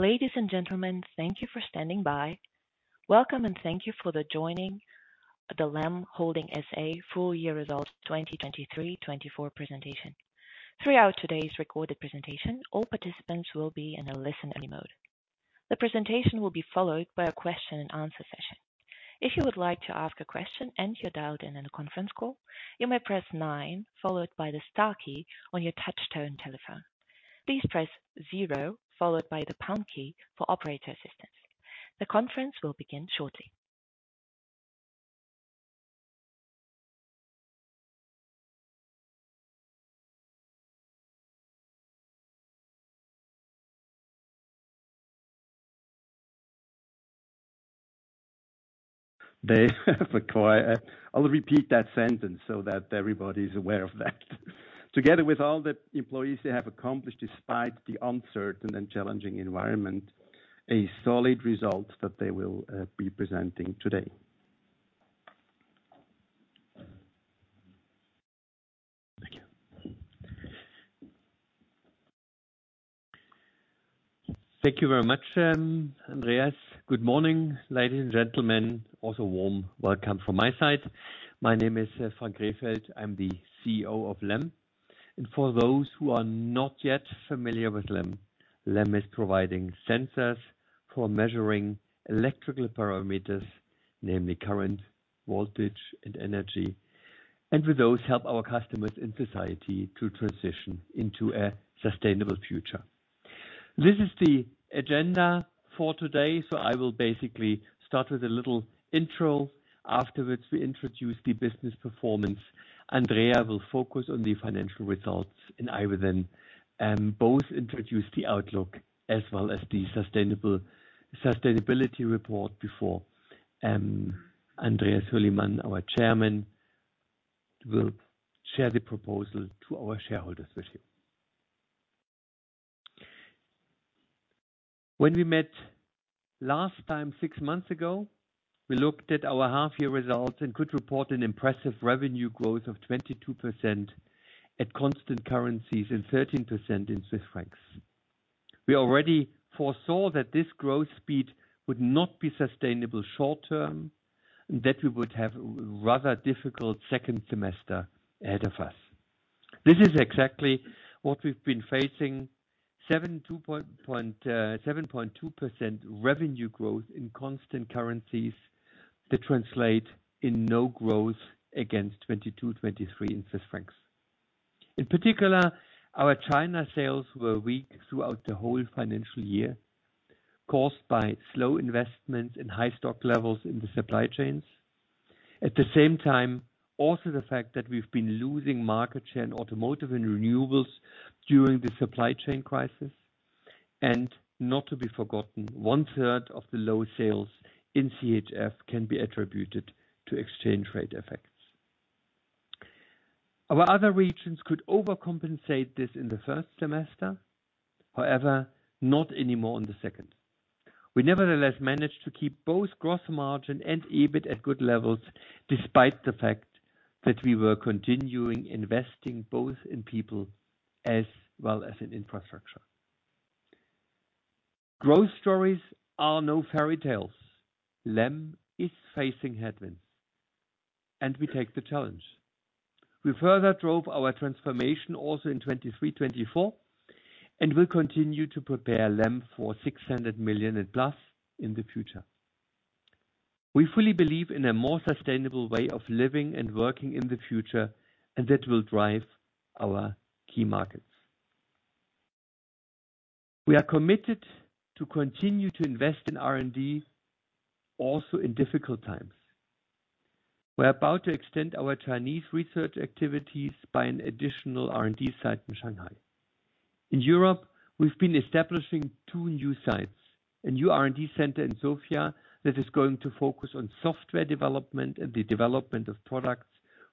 Ladies and gentlemen, thank you for standing by. Welcome, and thank you for joining the LEM Holding SA Full Year Results 2023, 2024 Presentation. Throughout today's recorded presentation, all participants will be in a listen-only mode. The presentation will be followed by a Q&A session. If you would like to ask a question and you're dialed in on a conference call, you may press 9, followed by the star key on your touchtone telephone. Please press 0, followed by the pound key for operator assistance. The conference will begin shortly.... They have accomplished. I'll repeat that sentence so that everybody's aware of that. Together with all the employees they have accomplished, despite the uncertain and challenging environment, a solid result that they will be presenting today. Thank you. Thank you very much, Andreas. Good morning, ladies and gentlemen. Also, warm welcome from my side. My name is Frank Rehfeld. I'm the CEO of LEM. And for those who are not yet familiar with LEM, LEM is providing sensors for measuring electrical parameters, namely current, voltage, and energy, and with those, help our customers in society to transition into a sustainable future. This is the agenda for today, so I will basically start with a little intro. Afterwards, we introduce the business performance. Andrea will focus on the financial results, and I will then both introduce the outlook as well as the sustainable, sustainability report before Andreas Hürlimann, our Chairman, will share the proposal to our shareholders with you. When we met last time, six months ago, we looked at our half year results and could report an impressive revenue growth of 22% at constant currencies and 13% in Swiss francs. We already foresaw that this growth speed would not be sustainable short term, and that we would have rather difficult second semester ahead of us. This is exactly what we've been facing. 7.2% revenue growth in constant currencies that translate in no growth against 22-23 in Swiss francs. In particular, our China sales were weak throughout the whole financial year, caused by slow investments and high stock levels in the supply chains. At the same time, also the fact that we've been losing market share in automotive and renewables during the supply chain crisis, and not to be forgotten, one-third of the low sales in CHF can be attributed to exchange rate effects. Our other regions could overcompensate this in the first semester, however, not anymore in the second. We nevertheless managed to keep both gross margin and EBIT at good levels, despite the fact that we were continuing investing both in people as well as in infrastructure. Growth stories are no fairy tales. LEM is facing headwinds, and we take the challenge. We further drove our transformation also in 2023, 2024, and will continue to prepare LEM for 600 million and plus in the future. We fully believe in a more sustainable way of living and working in the future, and that will drive our key markets. We are committed to continue to invest in R&D, also in difficult times. We're about to extend our Chinese research activities by an additional R&D site in Shanghai. In Europe, we've been establishing two new sites, a new R&D center in Sofia that is going to focus on software development and the development of products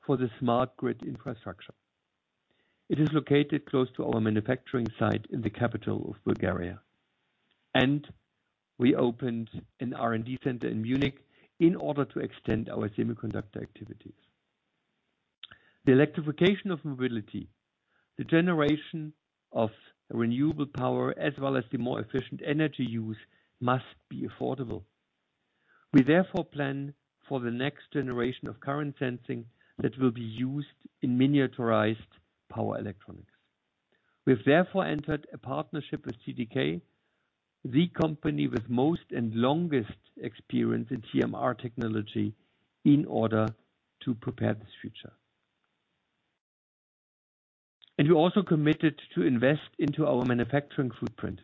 for the smart grid infrastructure. It is located close to our manufacturing site in the capital of Bulgaria. We opened an R&D center in Munich in order to extend our semiconductor activities. The electrification of mobility, the generation of renewable power, as well as the more efficient energy use, must be affordable. We therefore plan for the next generation of current sensing that will be used in miniaturized power electronics. We've therefore entered a partnership with TDK, the company with most and longest experience in TMR technology, in order to prepare this future. We also committed to invest into our manufacturing footprint.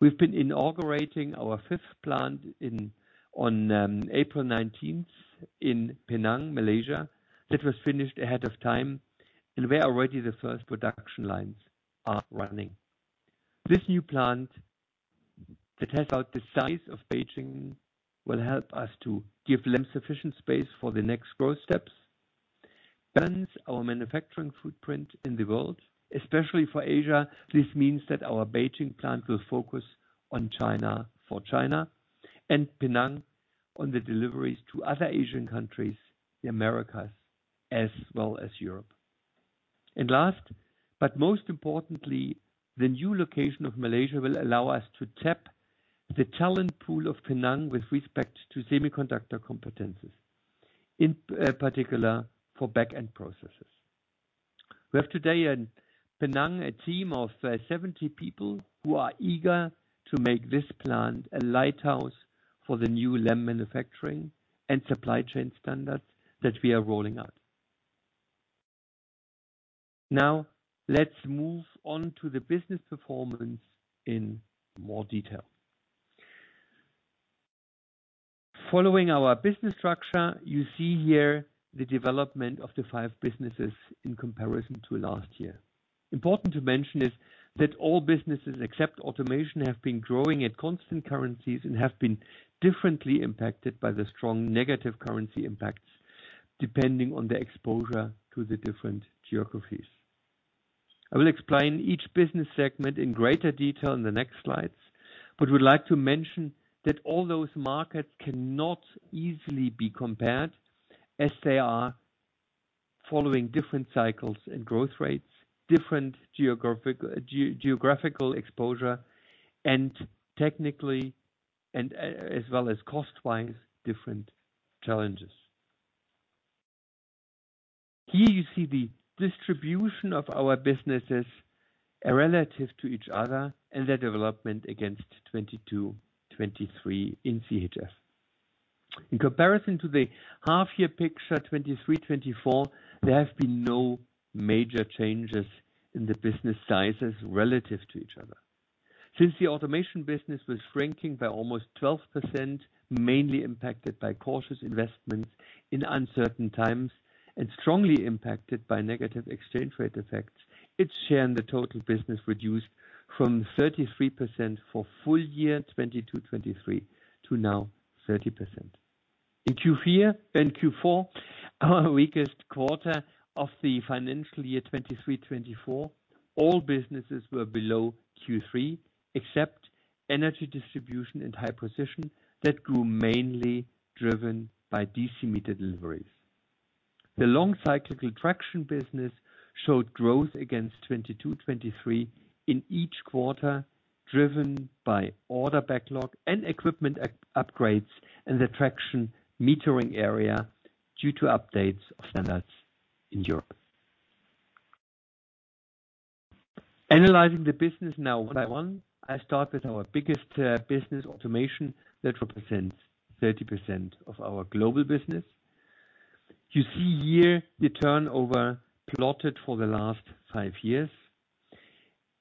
We've been inaugurating our fifth plant in on April nineteenth in Penang, Malaysia. That was finished ahead of time, and where already the first production lines are running. This new plant, that has about the size of Beijing, will help us to give LEM sufficient space for the next growth steps, balance our manufacturing footprint in the world, especially for Asia. This means that our Beijing plant will focus on China for China, and Penang on the deliveries to other Asian countries, the Americas, as well as Europe. And last, but most importantly, the new location of Malaysia will allow us to tap the talent pool of Penang with respect to semiconductor competencies, in particular for back-end processes. We have today in Penang, a team of 70 people who are eager to make this plant a lighthouse for the new LEM manufacturing and supply chain standards that we are rolling out. Now, let's move on to the business performance in more detail. Following our business structure, you see here the development of the five businesses in comparison to last year. Important to mention is that all businesses except automation have been growing at constant currencies and have been differently impacted by the strong negative currency impacts, depending on the exposure to the different geographies. I will explain each business segment in greater detail in the next slides, but would like to mention that all those markets cannot easily be compared as they are following different cycles and growth rates, different geographical exposure, and technically and as well as cost-wise, different challenges. Here you see the distribution of our businesses relative to each other and their development against 2022, 2023 in CHF. In comparison to the half year picture, 2023, 2024, there have been no major changes in the business sizes relative to each other. Since the automation business was shrinking by almost 12%, mainly impacted by cautious investments in uncertain times, and strongly impacted by negative exchange rate effects, its share in the total business reduced from 33% for full year 2022, 2023 to now 30%. In Q4 and Q4, our weakest quarter of the financial year 2023, 2024, all businesses were below Q3, except energy distribution and high precision, that grew mainly driven by DC meter deliveries. The long cyclical traction business showed growth against 2022, 2023 in each quarter, driven by order backlog and equipment upgrades in the traction metering area due to updates of standards in Europe. Analyzing the business now, one by one, I start with our biggest business automation that represents 30% of our global business. You see here the turnover plotted for the last five years.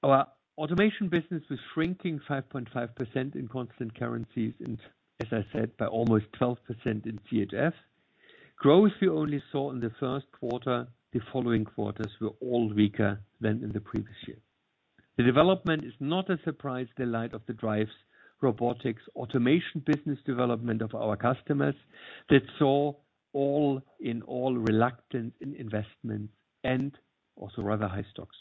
Our automation business was shrinking 5.5% in constant currencies, and as I said, by almost 12% in CHF. Growth we only saw in the Q1, the following quarters were all weaker than in the previous year. The development is not a surprise, in light of the drives, robotics, automation, business development of our customers, that saw all in all reluctance in investments and also rather high stocks.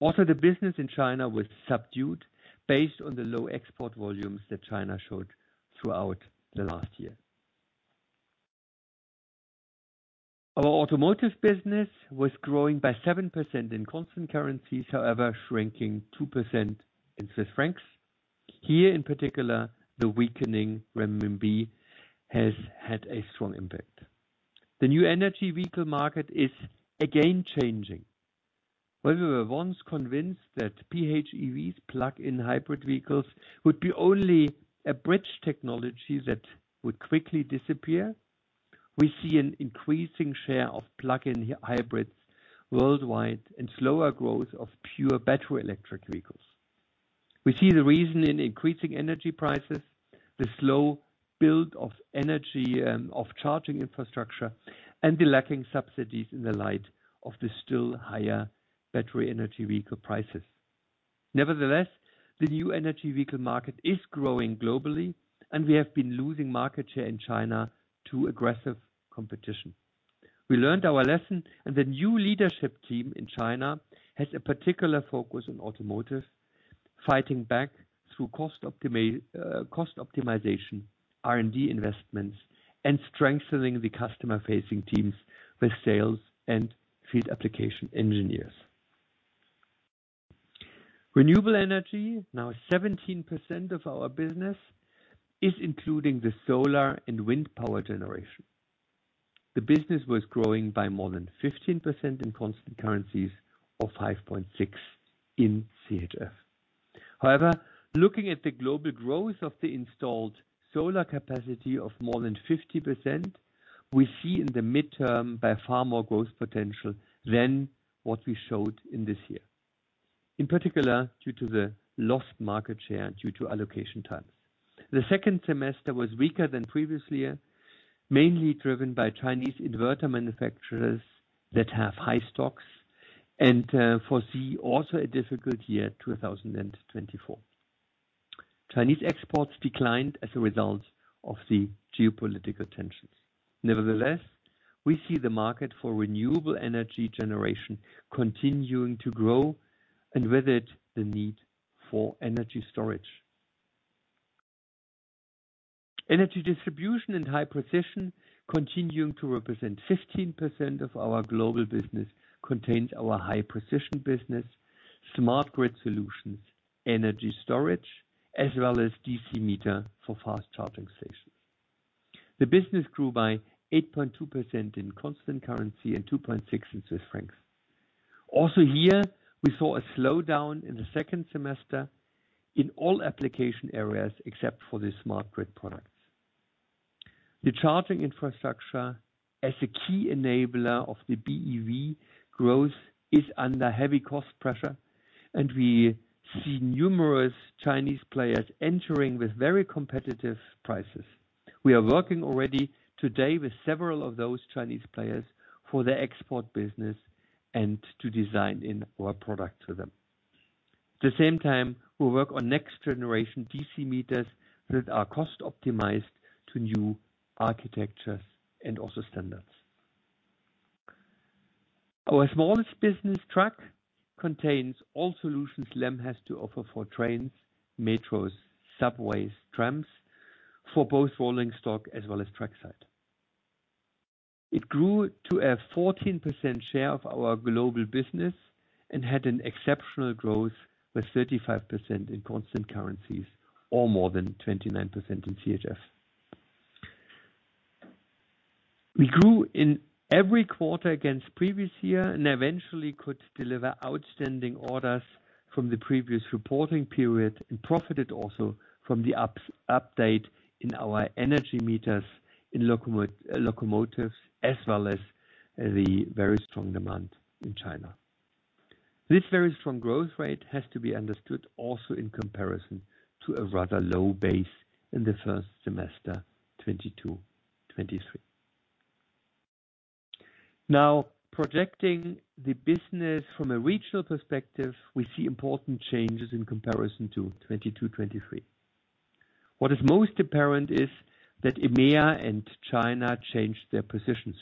Also, the business in China was subdued based on the low export volumes that China showed throughout the last year. Our automotive business was growing by 7% in constant currencies, however, shrinking 2% in Swiss francs. Here, in particular, the weakening renminbi has had a strong impact. The new energy vehicle market is again, changing. Where we were once convinced that PHEVs, plug-in hybrid vehicles, would be only a bridge technology that would quickly disappear, we see an increasing share of plug-in hybrids worldwide and slower growth of pure battery electric vehicles. We see the reason in increasing energy prices, the slow build of energy, of charging infrastructure, and the lacking subsidies in the light of the still higher battery energy vehicle prices. Nevertheless, the new energy vehicle market is growing globally, and we have been losing market share in China to aggressive competition. We learned our lesson, and the new leadership team in China has a particular focus on automotive, fighting back through cost optimization, R&D investments, and strengthening the customer-facing teams with sales and field application engineers. Renewable energy, now 17% of our business, is including the solar and wind power generation. The business was growing by more than 15% in constant currencies, or 5.6% in CHF. However, looking at the global growth of the installed solar capacity of more than 50%, we see in the midterm by far more growth potential than what we showed in this year. In particular, due to the lost market share, due to allocation times. The second semester was weaker than previous year, mainly driven by Chinese inverter manufacturers that have high stocks and foresee also a difficult year, 2024. Chinese exports declined as a result of the geopolitical tensions. Nevertheless, we see the market for renewable energy generation continuing to grow, and with it, the need for energy storage. Energy distribution and high precision, continuing to represent 15% of our global business, contains our high precision business, smart grid solutions, energy storage, as well as DC Meter for fast charging stations. The business grew by 8.2% in constant currency and 2.6% in Swiss francs. Also here, we saw a slowdown in the second semester in all application areas, except for the smart grid products. The charging infrastructure as a key enabler of the BEV growth is under heavy cost pressure, and we see numerous Chinese players entering with very competitive prices. We are working already today with several of those Chinese players for their export business and to design in our product to them. At the same time, we work on next generation DC meters that are cost optimized to new architectures and also standards. Our smallest business track contains all solutions LEM has to offer for trains, metros, subways, trams, for both rolling stock as well as trackside. It grew to a 14% share of our global business and had an exceptional growth with 35% in constant currencies, or more than 29% in CHF. We grew in every quarter against previous year and eventually could deliver outstanding orders from the previous reporting period, and profited also from the update in our energy meters in locomotives, as well as the very strong demand in China. This very strong growth rate has to be understood also in comparison to a rather low base in the first semester, 2022, 2023. Now, projecting the business from a regional perspective, we see important changes in comparison to 2022, 2023. What is most apparent is that EMEA and China changed their positions.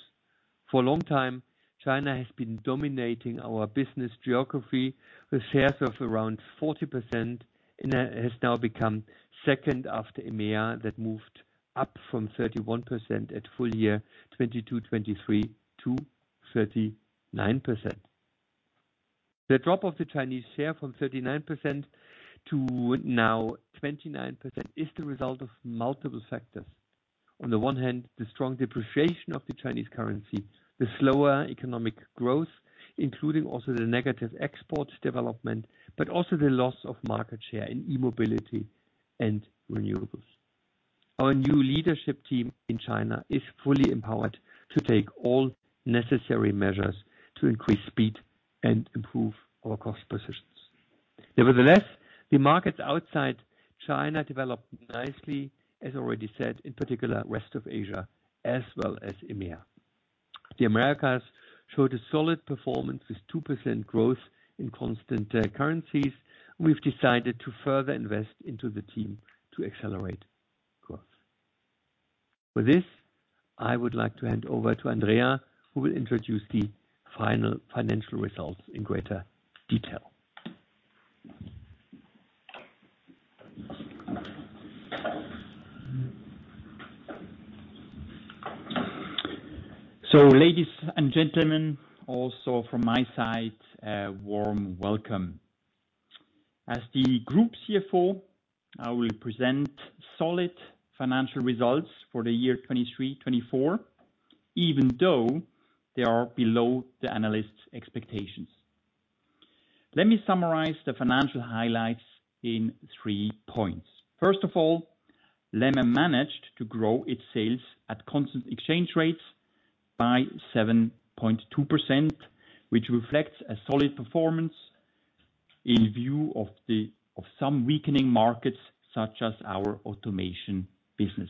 For a long time, China has been dominating our business geography with shares of around 40%, and, has now become second after EMEA, that moved up from 31% at full year, 2022, 2023 to 39%. The drop of the Chinese share from 39% to now 29% is the result of multiple factors. On the one hand, the strong depreciation of the Chinese currency, the slower economic growth, including also the negative export development, but also the loss of market share in e-mobility and renewables. Our new leadership team in China is fully empowered to take all necessary measures to increase speed and improve our cost positions. Nevertheless, the markets outside China developed nicely, as already said, in particular, rest of Asia, as well as EMEA. The Americas showed a solid performance with 2% growth in constant currencies. We've decided to further invest into the team to accelerate growth. With this, I would like to hand over to Andrea, who will introduce the final financial results in greater detail. So ladies and gentlemen, also from my side, a warm welcome. As the Group CFO, I will present solid financial results for the year 2023-2024, even though they are below the analysts' expectations. Let me summarize the financial highlights in three points. First of all, LEM managed to grow its sales at constant exchange rates by 7.2%, which reflects a solid performance in view of some weakening markets, such as our automation business.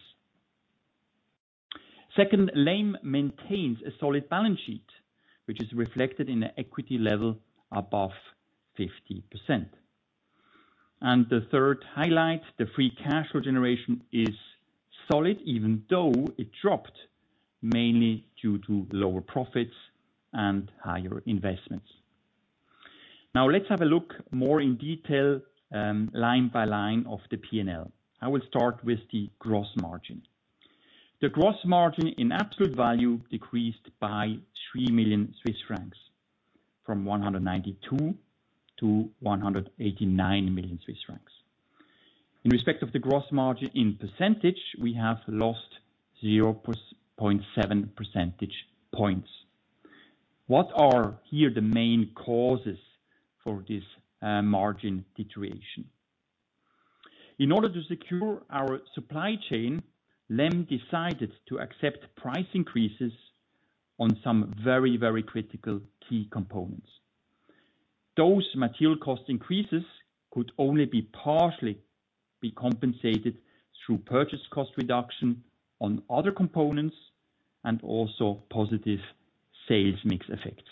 Second, LEM maintains a solid balance sheet, which is reflected in an equity level above 50%. And the third highlight, the free cash flow generation is solid, even though it dropped, mainly due to lower profits and higher investments. Now, let's have a look more in detail, line by line of the P&L. I will start with the gross margin. The gross margin in absolute value decreased by 3 million Swiss francs, from 192 million to 189 million Swiss francs. In respect of the gross margin in percentage, we have lost 0.7 percentage points. What are here the main causes for this, margin deterioration? In order to secure our supply chain, LEM decided to accept price increases on some very, very critical key components. Those material cost increases could only be partially be compensated through purchase cost reduction on other components and also positive sales mix effects.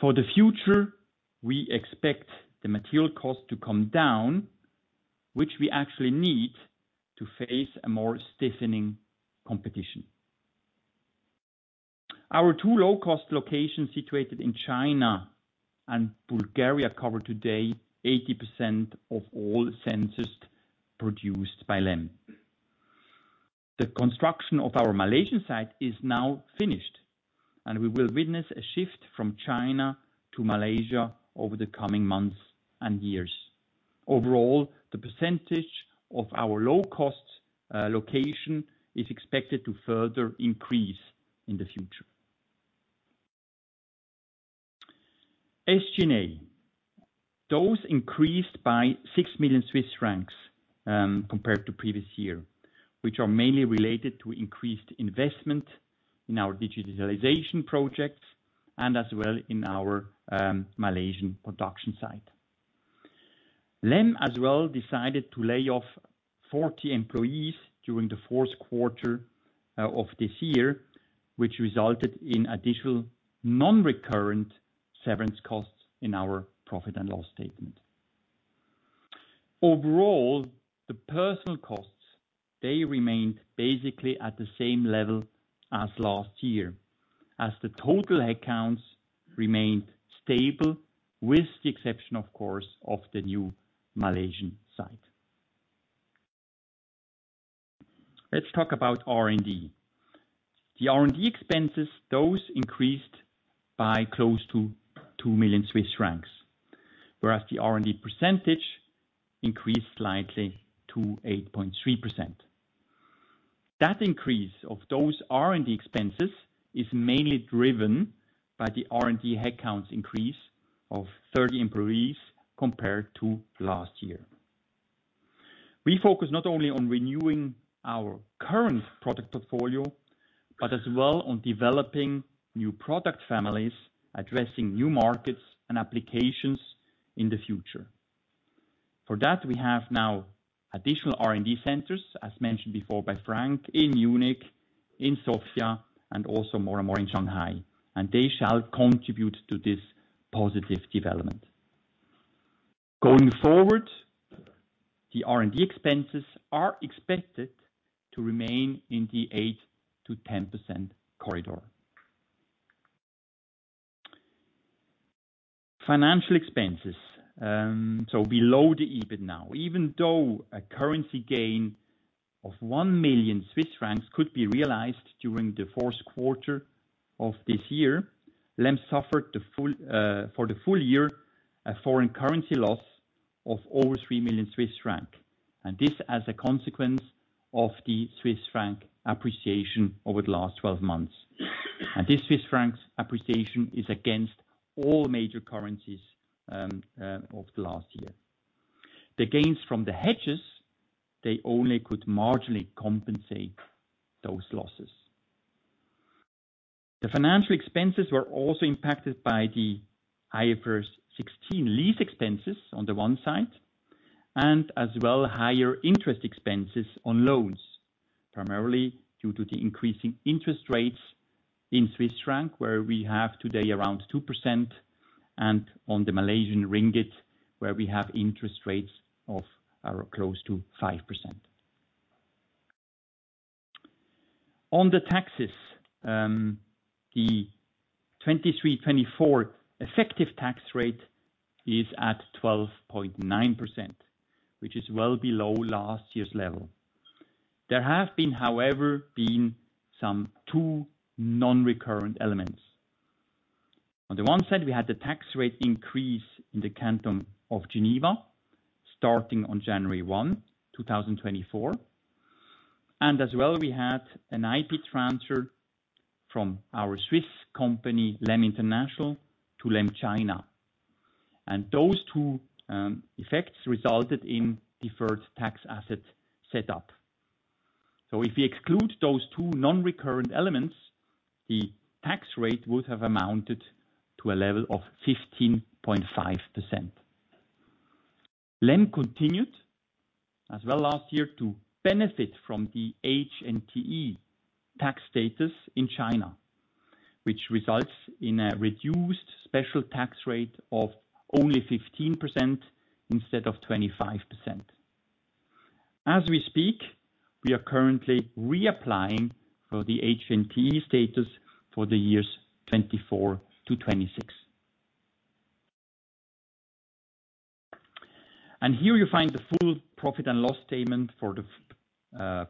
For the future, we expect the material cost to come down, which we actually need to face a more stiffening competition.... Our two low-cost locations situated in China and Bulgaria cover today 80% of all sensors produced by LEM. The construction of our Malaysian site is now finished, and we will witness a shift from China to Malaysia over the coming months and years. Overall, the percentage of our low-cost location is expected to further increase in the future. SG&A, those increased by 6 million Swiss francs compared to previous year, which are mainly related to increased investment in our digitalization projects and as well in our Malaysian production site. LEM as well decided to lay off 40 employees during the Q4 of this year, which resulted in additional non-recurrent severance costs in our profit and loss statement. Overall, the personnel costs, they remained basically at the same level as last year, as the total headcount remained stable, with the exception, of course, of the new Malaysian site. Let's talk about R&D. The R&D expenses, those increased by close to 2 million Swiss francs, whereas the R&D percentage increased slightly to 8.3%. That increase of those R&D expenses is mainly driven by the R&D headcount increase of 30 employees compared to last year. We focus not only on renewing our current product portfolio, but as well on developing new product families, addressing new markets and applications in the future. For that, we have now additional R&D centers, as mentioned before by Frank, in Munich, in Sofia, and also more and more in Shanghai, and they shall contribute to this positive development. Going forward, the R&D expenses are expected to remain in the 8%-10% corridor. Financial expenses. So below the EBIT now. Even though a currency gain of 1 million Swiss francs could be realized during the Q4 of this year, LEM suffered the full, for the full year, a foreign currency loss of over 3 million Swiss franc, and this as a consequence of the Swiss francs appreciation over the last 12 months. This Swiss francs appreciation is against all major currencies of the last year. The gains from the hedges, they only could marginally compensate those losses. The financial expenses were also impacted by the IFRS 16 lease expenses on the one side, and as well, higher interest expenses on loans, primarily due to the increasing interest rates in Swiss francs, where we have today around 2%, and on the Malaysian ringgit, where we have interest rates of close to 5%. On the taxes, the 2023-2024 effective tax rate is at 12.9%, which is well below last year's level. There have been, however, some two non-recurrent elements. On the one side, we had the tax rate increase in the Canton of Geneva, starting on January 1, 2024, and as well, we had an IP transfer from our Swiss company, LEM International, to LEM China. And those two effects resulted in deferred tax asset set up. So if we exclude those two non-recurrent elements, the tax rate would have amounted to a level of 15.5%. LEM continued, as well last year, to benefit from the HNTE tax status in China, which results in a reduced special tax rate of only 15% instead of 25%. As we speak, we are currently reapplying for the HNTE status for the years 2024 to 2026. Here you find the full profit and loss statement for the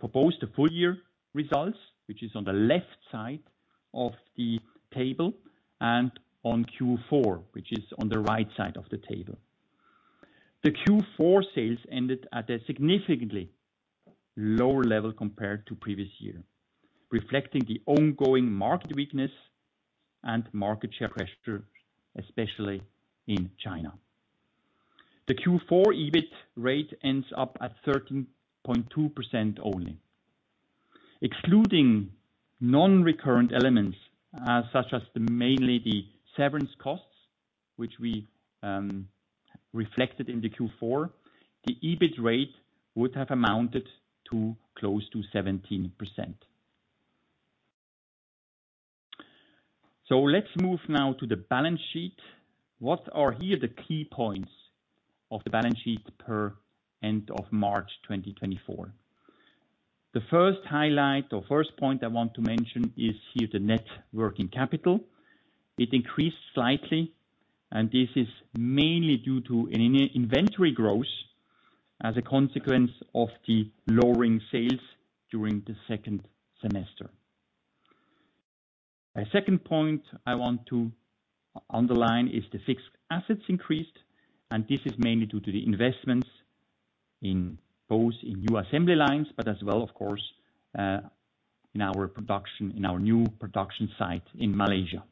proposed full year results, which is on the left side of the table, and on Q4, which is on the right side of the table. The Q4 sales ended at a significantly lower level compared to previous year, reflecting the ongoing market weakness and market share pressure, especially in China. The Q4 EBIT rate ends up at 13.2% only. Excluding non-recurrent elements, such as mainly the severance costs, which we reflected in the Q4, the EBIT rate would have amounted to close to 17%. So let's move now to the balance sheet. What are here the key points?... of the balance sheet per end of March 2024. The first highlight or first point I want to mention is here, the net working capital. It increased slightly, and this is mainly due to an inventory growth as a consequence of the lowering sales during the second semester. A second point I want to underline is the fixed assets increased, and this is mainly due to the investments in both in new assembly lines, but as well, of course, in our production, in our new production site in Malaysia.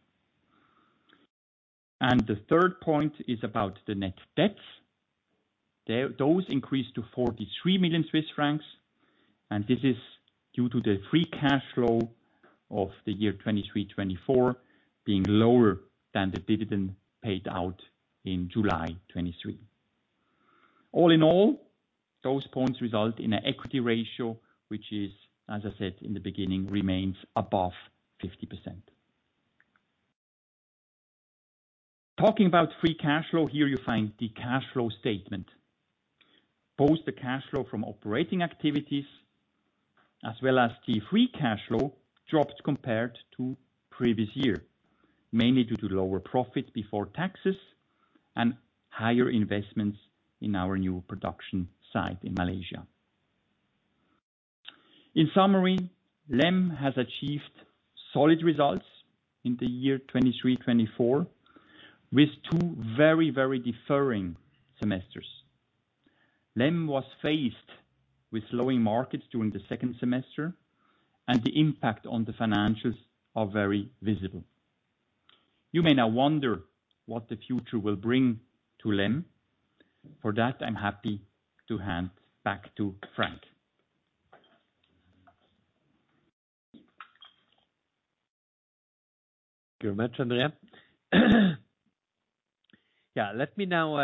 And the third point is about the net debts. Those increased to 43 million Swiss francs, and this is due to the free cash flow of the year 2023, 2024 being lower than the dividend paid out in July 2023. All in all, those points result in an equity ratio, which is, as I said in the beginning, remains above 50%. Talking about free cash flow, here you find the cash flow statement. Both the cash flow from operating activities, as well as the free cash flow, dropped compared to previous year, mainly due to lower profits before taxes and higher investments in our new production site in Malaysia. In summary, LEM has achieved solid results in the year 2023-2024, with two very, very differing semesters. LEM was faced with slowing markets during the second semester, and the impact on the financials are very visible. You may now wonder what the future will bring to LEM. For that, I'm happy to hand back to Frank. Thank you very much, Andrea. Yeah, let me now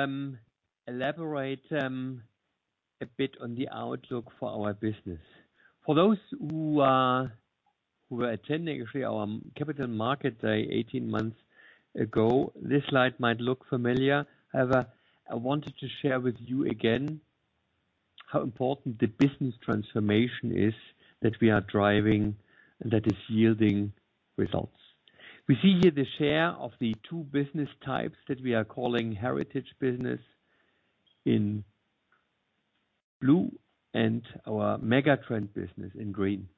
elaborate a bit on the outlook for our business. For those who are, who were attending actually our Capital Market Day 18 months ago, this slide might look familiar. However, I wanted to share with you again, how important the business transformation is that we are driving, and that is yielding results. We see here the share of the two business types that we are calling Heritage business in blue and our Megatrend business in green.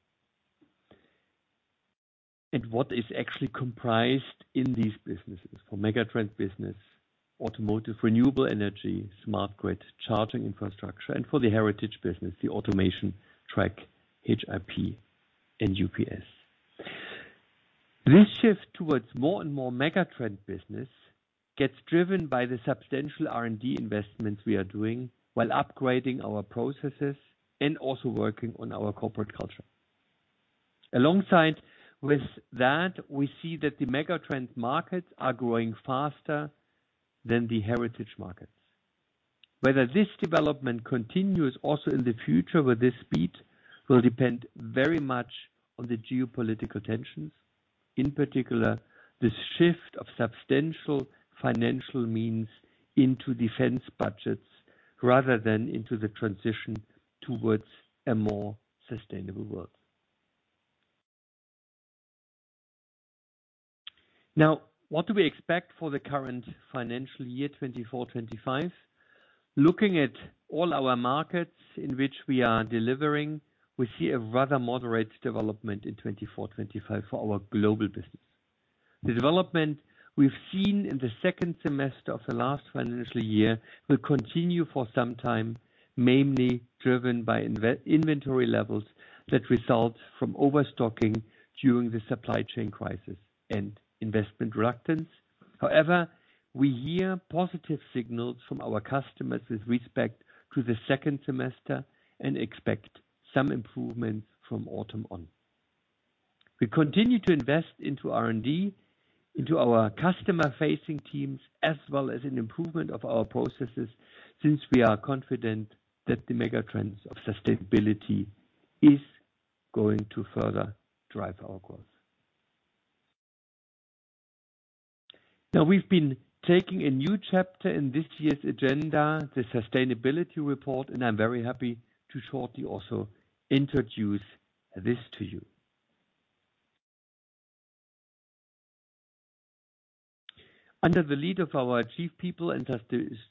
And what is actually comprised in these businesses? For Megatrend business, automotive, renewable energy, Smart grid, charging infrastructure, and for the Heritage business, the automation track, HIP and UPS. This shift towards more and more Megatrend business gets driven by the substantial R&D investments we are doing while upgrading our processes and also working on our corporate culture. Alongside with that, we see that the megatrend markets are growing faster than the heritage markets. Whether this development continues also in the future with this speed, will depend very much on the geopolitical tensions, in particular, the shift of substantial financial means into defense budgets, rather than into the transition towards a more sustainable world. Now, what do we expect for the current financial year, 2024, 2025? Looking at all our markets in which we are delivering, we see a rather moderate development in 2024, 2025 for our global business. The development we've seen in the second semester of the last financial year will continue for some time, mainly driven by inventory levels that result from overstocking during the supply chain crisis and investment reluctance. However, we hear positive signals from our customers with respect to the second semester and expect some improvements from autumn on. We continue to invest into R&D, into our customer-facing teams, as well as an improvement of our processes, since we are confident that the megatrends of sustainability is going to further drive our growth. Now, we've been taking a new chapter in this year's agenda, the sustainability report, and I'm very happy to shortly also introduce this to you. Under the lead of our Chief People and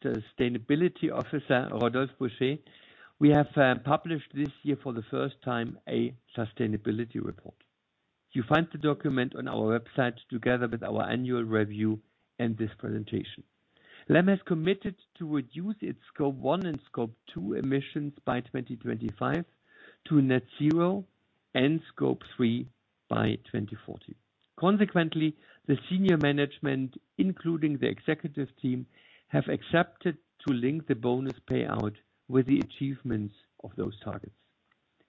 Sustainability Officer, Rodolphe Bouchet, we have published this year for the first time, a sustainability report. You find the document on our website together with our annual review and this presentation. LEM has committed to reduce its Scope 1 and Scope 2 emissions by 2025 to net zero, and Scope 3 by 2040. Consequently, the senior management, including the executive team, have accepted to link the bonus payout with the achievements of those targets.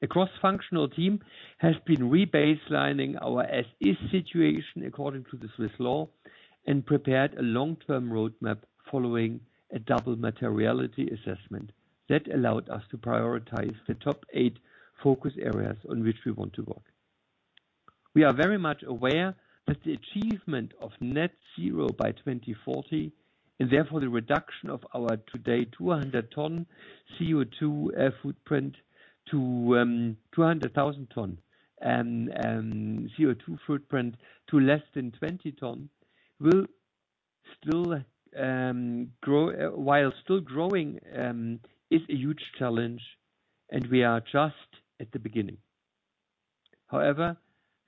A cross-functional team has been rebaselining our as-is situation according to the Swiss law, and prepared a long-term roadmap following a double materiality assessment that allowed us to prioritize the top 8 focus areas on which we want to work. We are very much aware that the achievement of net zero by 2040, and therefore the reduction of our today 200 ton CO₂ footprint to 200,000 ton CO₂ footprint to less than 20 ton, will still grow while still growing is a huge challenge, and we are just at the beginning. However,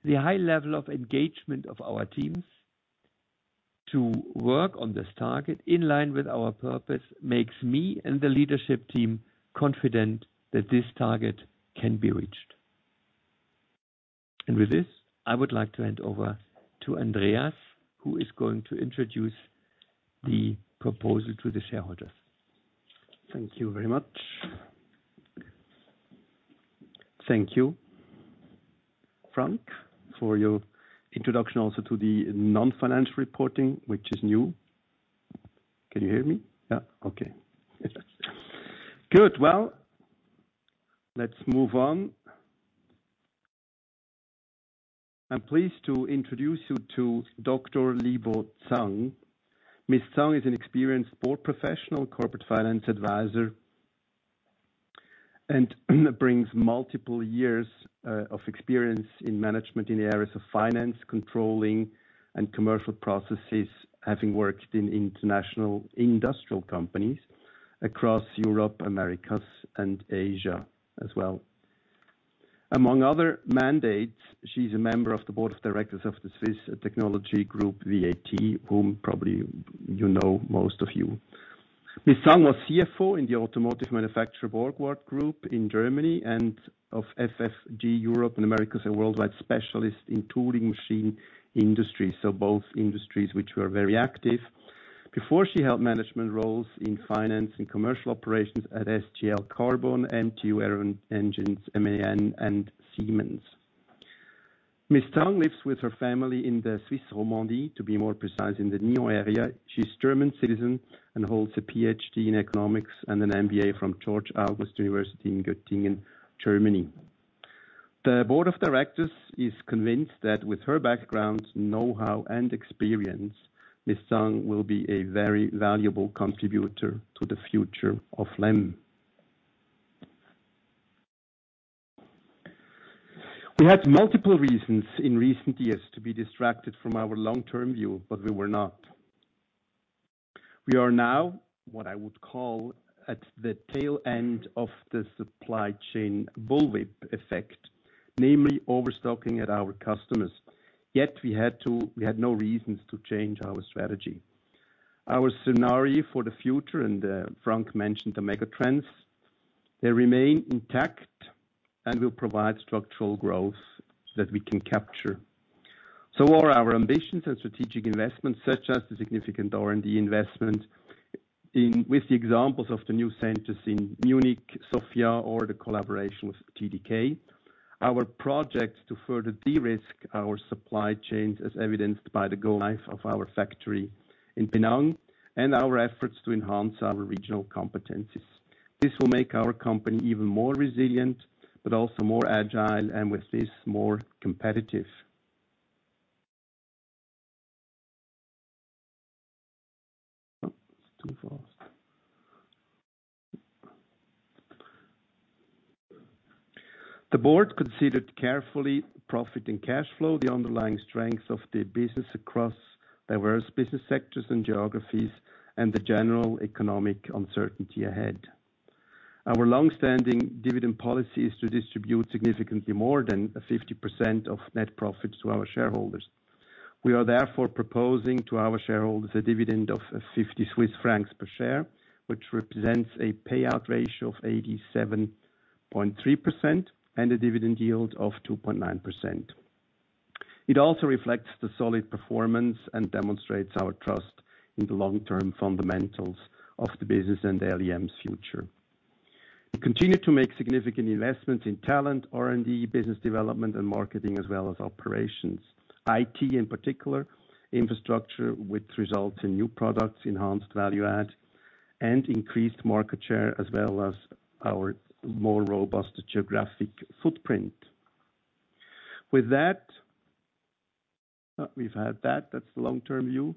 the high level of engagement of our teams to work on this target in line with our purpose, makes me and the leadership team confident that this target can be reached. With this, I would like to hand over to Andreas, who is going to introduce the proposal to the shareholders. Thank you very much. Thank you, Frank, for your introduction, also to the non-financial reporting, which is new. Can you hear me? Yeah. Okay. Good. Well, let's move on. I'm pleased to introduce you to Dr. Libo Zhang. Ms. Zhang is an experienced board professional, corporate finance advisor, and brings multiple years of experience in management in the areas of finance, controlling, and commercial processes, having worked in international industrial companies across Europe, Americas, and Asia as well. Among other mandates, she's a member of the board of directors of the Swiss Technology Group, VAT, whom probably you know, most of you. Ms. Zhang was CFO in the automotive manufacturer, Borgward Group, in Germany, and of FFG, Europe and Americas, a worldwide specialist in tooling machine industry. So both industries which were very active. Before, she held management roles in finance and commercial operations at SGL Carbon, MTU Aero Engines, MAN, and Siemens. Ms. Zhang lives with her family in the Swiss Romandie, to be more precise, in the Nyon area. She's German citizen and holds a PhD in economics and an MBA from Georg-August University in Göttingen, Germany. The board of directors is convinced that with her background, know-how, and experience, Ms. Zhang will be a very valuable contributor to the future of LEM. We had multiple reasons in recent years to be distracted from our long-term view, but we were not. We are now, what I would call, at the tail end of the supply chain bullwhip effect, namely overstocking at our customers. Yet, we had no reasons to change our strategy. Our scenario for the future, and Frank mentioned the mega trends, they remain intact and will provide structural growth that we can capture. So are our ambitions and strategic investments, such as the significant R&D investment in... with the examples of the new centers in Munich, Sofia, or the collaboration with TDK. Our projects to further de-risk our supply chains, as evidenced by the go live of our factory in Penang, and our efforts to enhance our regional competencies. This will make our company even more resilient, but also more agile, and with this, more competitive. Oh, it's too fast. The board considered carefully profit and cash flow, the underlying strengths of the business across diverse business sectors and geographies, and the general economic uncertainty ahead. Our long-standing dividend policy is to distribute significantly more than 50% of net profits to our shareholders. We are therefore proposing to our shareholders a dividend of 50 Swiss francs per share, which represents a payout ratio of 87.3% and a dividend yield of 2.9%. It also reflects the solid performance and demonstrates our trust in the long-term fundamentals of the business and LEM's future. We continue to make significant investments in talent, R&D, business development, and marketing, as well as operations. IT, in particular, infrastructure, which results in new products, enhanced value add, and increased market share, as well as our more robust geographic footprint. With that, we've had that. That's the long-term view.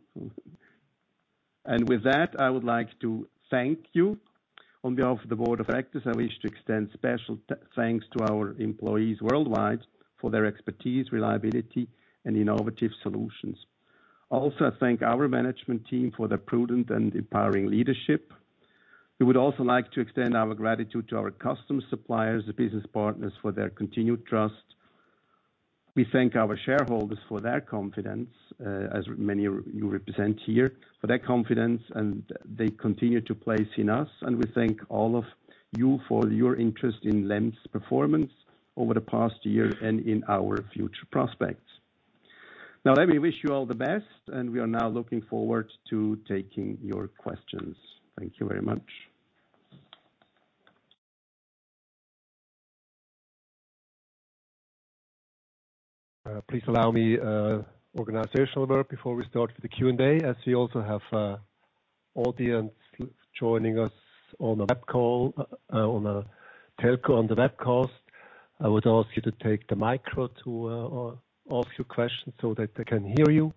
And with that, I would like to thank you. On behalf of the board of directors, I wish to extend special thanks to our employees worldwide for their expertise, reliability, and innovative solutions. I also thank our management team for their prudent and empowering leadership. We would also like to extend our gratitude to our customers, suppliers, and business partners for their continued trust. We thank our shareholders for their confidence, as many of you represent here, for their confidence, and they continue to place in us, and we thank all of you for your interest in LEM's performance over the past year and in our future prospects. Now, let me wish you all the best, and we are now looking forward to taking your questions. Thank you very much. Please allow me, organizational note before we start with the Q&A, as we also have,... audience joining us on a web call, on a telco, on the webcast, I would ask you to take the mic to ask your questions so that they can hear you.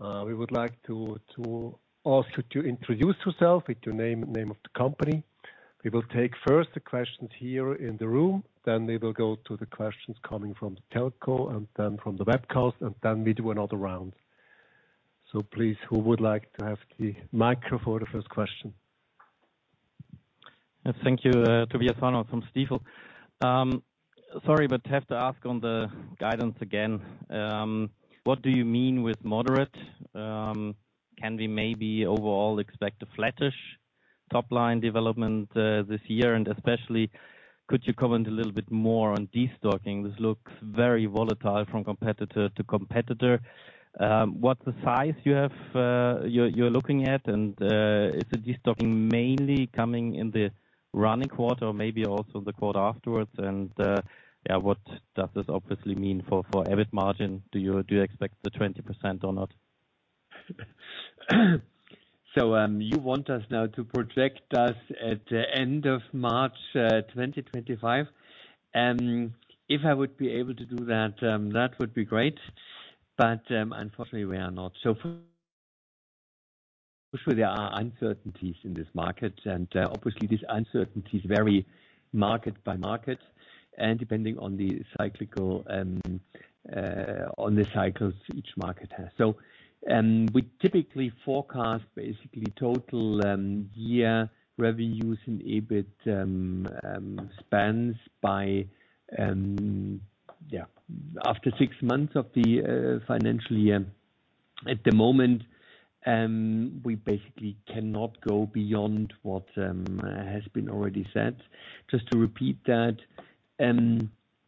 We would like to ask you to introduce yourself with your name and name of the company. We will take first the questions here in the room, then we will go to the questions coming from the telco and then from the webcast, and then we do another round. So please, who would like to have the mic for the first question? Thank you, Tobias Fahrenholz from Stifel. Sorry, but have to ask on the guidance again. What do you mean with moderate? Can we maybe overall expect a flattish top line development this year? And especially could you comment a little bit more on destocking? This looks very volatile from competitor to competitor. What's the size you're looking at? And, is the destocking mainly coming in the running quarter or maybe also the quarter afterwards? And, yeah, what does this obviously mean for EBIT margin? Do you expect the 20% or not? So, you want us now to project us at the end of March 2025? If I would be able to do that, that would be great. But, unfortunately, we are not. Actually, there are uncertainties in this market, and, obviously, these uncertainties vary market by market, and depending on the cyclical and, on the cycles each market has. So, we typically forecast basically total year revenues and EBIT spans by after six months of the financial year. At the moment, we basically cannot go beyond what has been already said. Just to repeat that,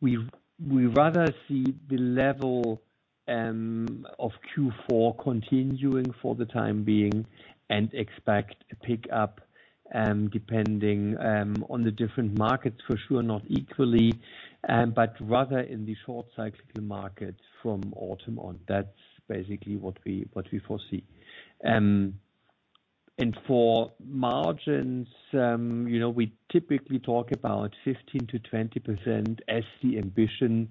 we rather see the level of Q4 continuing for the time being and expect a pick-up, depending on the different markets, for sure, not equally, but rather in the short cyclical markets from autumn on. That's basically what we foresee. And for margins, you know, we typically talk about 15%-20% as the ambition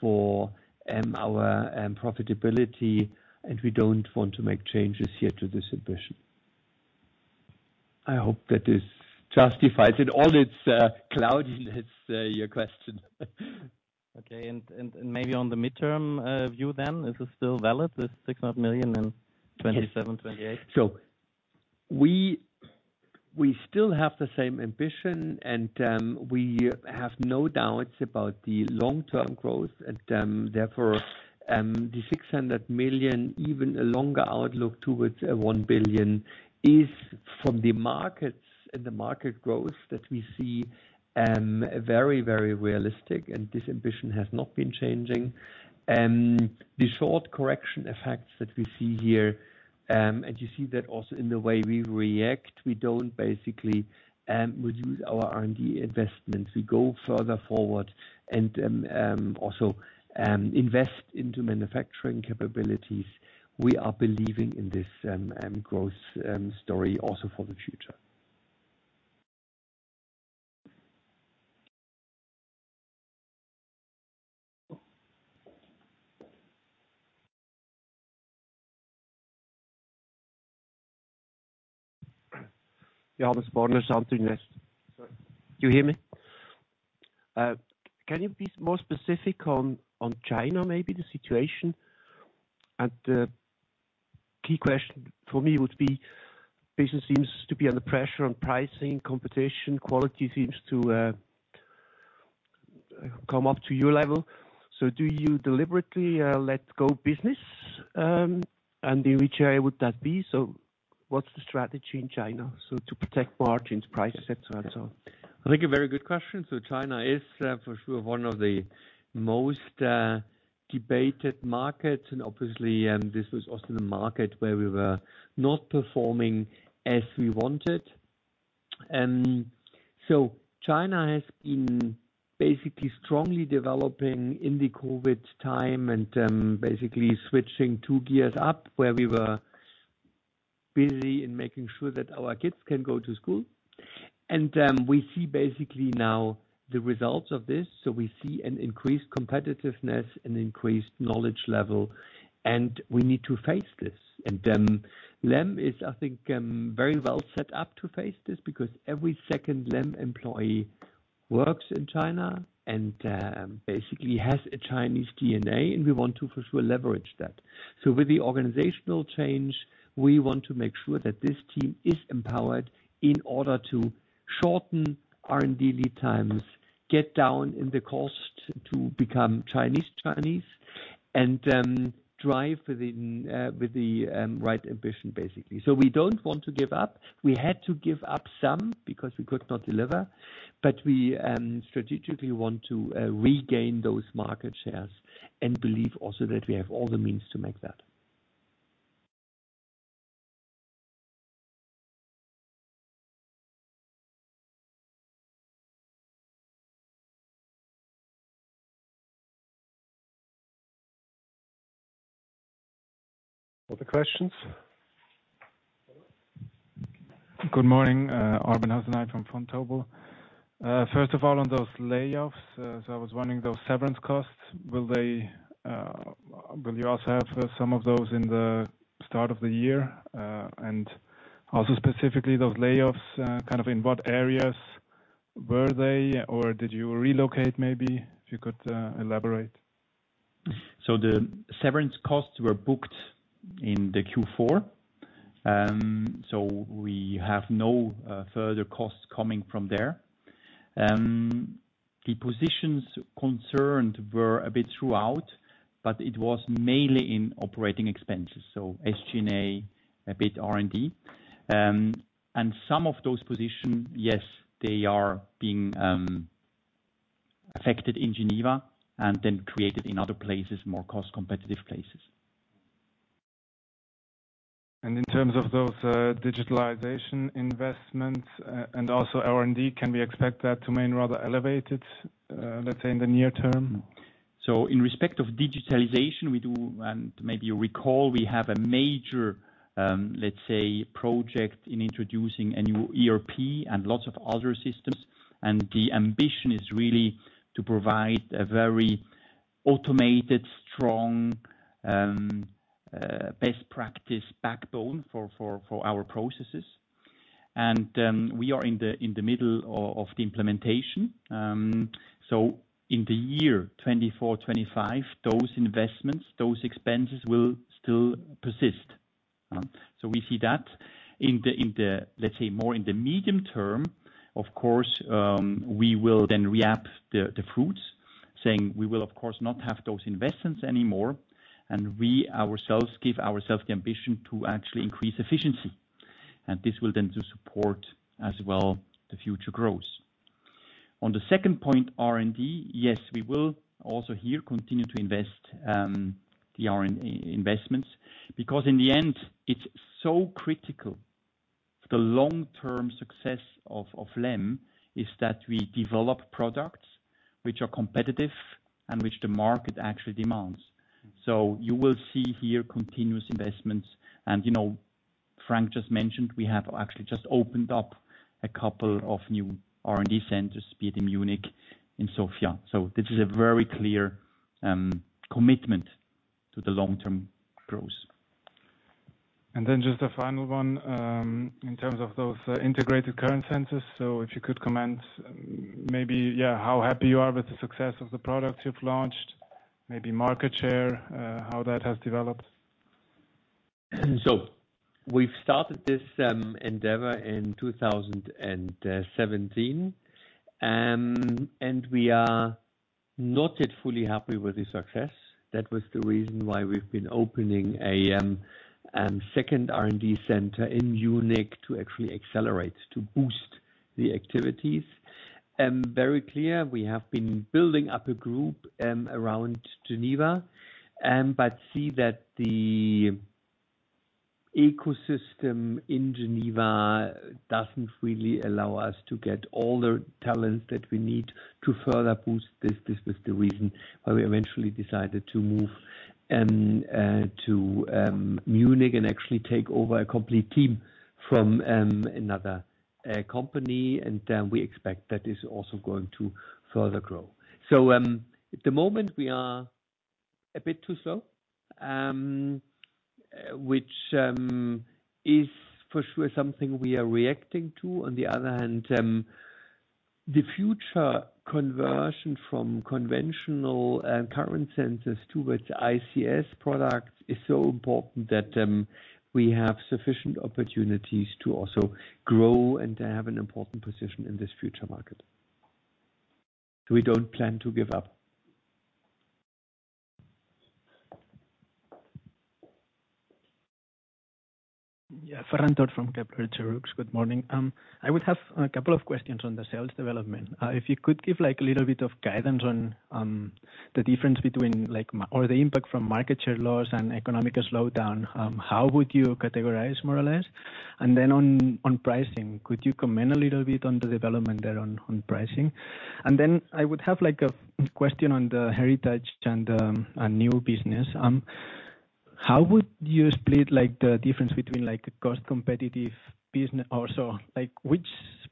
for our profitability, and we don't want to make changes here to this ambition. I hope that this justifies it, all its cloudiness, your question. Okay. And maybe on the midterm view then, is it still valid, this 600 million and 2027, 2028? So we still have the same ambition, and we have no doubts about the long-term growth. And therefore the 600 million, even a longer outlook towards a 1 billion, is from the markets and the market growth that we see very, very realistic, and this ambition has not been changing. The short correction effects that we see here, and you see that also in the way we react, we don't basically reduce our R&D investments. We go further forward and also invest into manufacturing capabilities. We are believing in this growth story also for the future. Yeah, Tobias Fahrenholz, something less. Do you hear me? Can you be more specific on China, maybe the situation? Key question for me would be, business seems to be under pressure on pricing, competition, quality seems to come up to your level. So do you deliberately let go business? And in which area would that be? So what's the strategy in China, so to protect margins, prices, et cetera, and so on? I think a very good question. China is for sure one of the most debated markets and obviously this was also the market where we were not performing as we wanted. China has been basically strongly developing in the COVID time and basically switching two gears up where we were busy in making sure that our kids can go to school. We see basically now the results of this. We see an increased competitiveness and increased knowledge level, and we need to face this. Then LEM is, I think, very well set up to face this, because every second LEM employee works in China and basically has a Chinese DNA, and we want to for sure leverage that. So with the organizational change, we want to make sure that this team is empowered in order to shorten R&D lead times, get down in the cost to become Chinese, and drive with the right ambition, basically. So we don't want to give up. We had to give up some because we could not deliver, but we strategically want to regain those market shares and believe also that we have all the means to make that. ... Other questions? Good morning, Arben Hasanaj from Vontobel. First of all, on those layoffs, so I was wondering those severance costs, will they, will you also have some of those in the start of the year? And also specifically those layoffs, kind of in what areas were they, or did you relocate maybe? If you could, elaborate. So the severance costs were booked in the Q4. So we have no further costs coming from there. The positions concerned were a bit throughout, but it was mainly in operating expenses, so SG&A, a bit R&D. And some of those positions, yes, they are being affected in Geneva and then created in other places, more cost competitive places. In terms of those digitalization investments, and also R&D, can we expect that to remain rather elevated, let's say, in the near term? So in respect of digitalization, we do, and maybe you recall, we have a major, let's say, project in introducing a new ERP and lots of other systems, and the ambition is really to provide a very automated, strong, best practice backbone for our processes. We are in the middle of the implementation. So in the year 2024-2025, those investments, those expenses will still persist. So we see that. In the, let's say, more in the medium term, of course, we will then reap the fruits, saying we will of course not have those investments anymore, and we ourselves give ourselves the ambition to actually increase efficiency, and this will then to support as well, the future growth. On the second point, R&D, yes, we will also here continue to invest, the R&D investments, because in the end, it's so critical. The long-term success of LEM is that we develop products which are competitive and which the market actually demands. So you will see here continuous investments, and, you know, Frank just mentioned we have actually just opened up a couple of new R&D centers, be it in Munich, in Sofia. So this is a very clear commitment to the long-term growth. And then just a final one. In terms of those integrated current sensors, so if you could comment maybe, yeah, how happy you are with the success of the products you've launched, maybe market share, how that has developed? So we've started this endeavor in 2017, and we are not yet fully happy with the success. That was the reason why we've been opening a second R&D center in Munich to actually accelerate, to boost the activities. Very clear, we have been building up a group around Geneva, but see that the ecosystem in Geneva doesn't really allow us to get all the talents that we need to further boost this. This was the reason why we eventually decided to move to Munich and actually take over a complete team from another company. And we expect that is also going to further grow. So, at the moment, we are a bit too slow, which is for sure something we are reacting to. On the other hand, the future conversion from conventional and current sensors towards ICS products is so important that we have sufficient opportunities to also grow and to have an important position in this future market. So we don't plan to give up. Yeah, Ferran Tort from Kepler Cheuvreux. Good morning. I would have a couple of questions on the sales development. If you could give, like, a little bit of guidance on the difference between, like, or the impact from market share loss and economic slowdown, how would you categorize more or less? And then on pricing, could you comment a little bit on the development there on pricing? And then I would have, like, a question on the heritage and a new business. How would you split, like, the difference between, like, a cost competitive business or so, like, which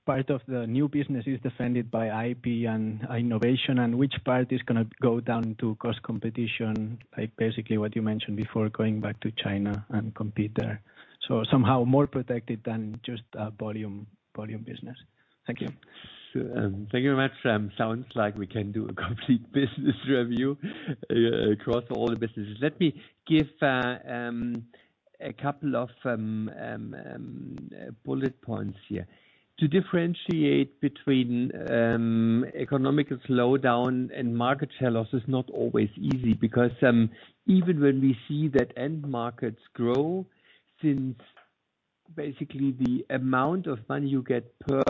part of the new business is defended by IP and innovation, and which part is gonna go down to cost competition? Like, basically what you mentioned before, going back to China and compete there. So somehow more protected than just a volume business. Thank you. Thank you very much. Sounds like we can do a complete business review across all the businesses. Let me give a couple of bullet points here. To differentiate between economic slowdown and market share loss is not always easy, because even when we see that end markets grow, since basically the amount of money you get per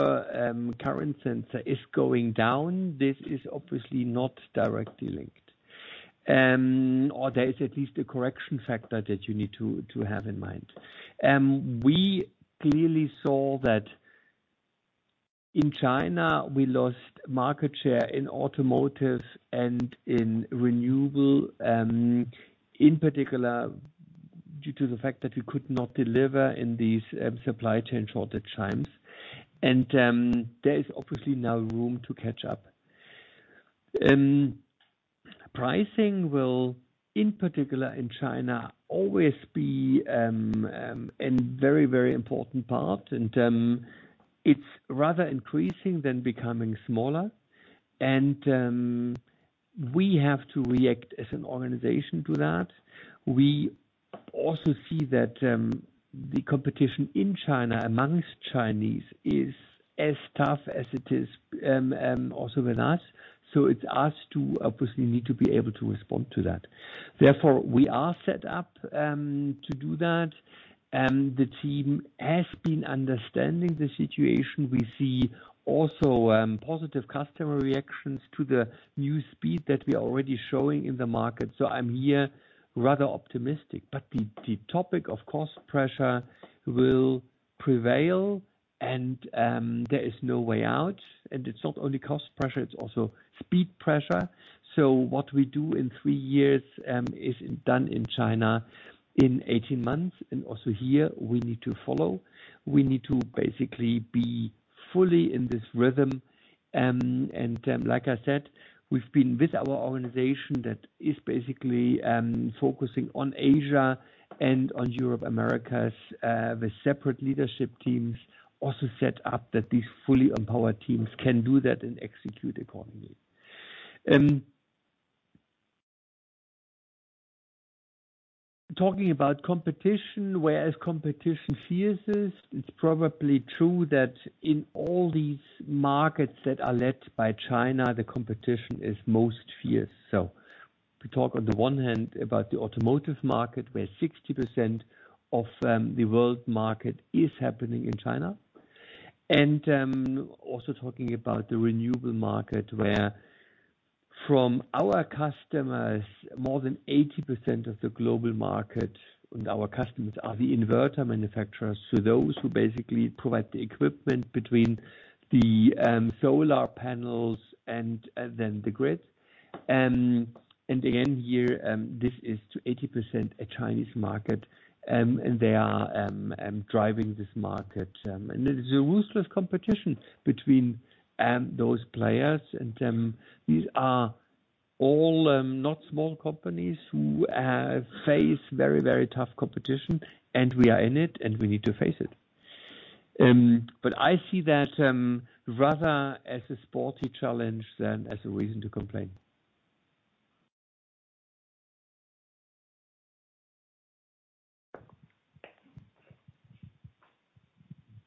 current sensor is going down, this is obviously not directly linked. Or there is at least a correction factor that you need to have in mind. We clearly saw that-... In China, we lost market share in automotive and in renewable, in particular, due to the fact that we could not deliver in these supply chain shortage times. There is obviously now room to catch up. Pricing will, in particular in China, always be a very, very important part, and it's rather increasing than becoming smaller. We have to react as an organization to that. We also see that the competition in China amongst Chinese is as tough as it is also with us, so it's us to obviously need to be able to respond to that. Therefore, we are set up to do that, and the team has been understanding the situation. We see also positive customer reactions to the new speed that we are already showing in the market, so I'm here rather optimistic. But the topic of cost pressure will prevail, and there is no way out, and it's not only cost pressure, it's also speed pressure. So what we do in three years is done in China in 18 months, and also here we need to follow. We need to basically be fully in this rhythm. Like I said, we've been with our organization that is basically focusing on Asia and on Europe, Americas, with separate leadership teams also set up that these fully empowered teams can do that and execute accordingly. Talking about competition, whereas competition fierce, it's probably true that in all these markets that are led by China, the competition is most fierce. So we talk on the one hand about the automotive market, where 60% of the world market is happening in China. And also talking about the renewable market, where from our customers, more than 80% of the global market and our customers are the inverter manufacturers, so those who basically provide the equipment between the solar panels and then the grid. And again, here, this is to 80% a Chinese market, and they are driving this market. And it is a ruthless competition between those players. And these are all not small companies who face very, very tough competition, and we are in it, and we need to face it. But I see that rather as a sporty challenge than as a reason to complain.